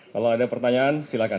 kalau ada pertanyaan silakan